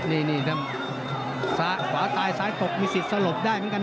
นี่นี่นี่สะขวาตายซ้ายตกมีสิทธิ์สลบได้เหมือนกันนะ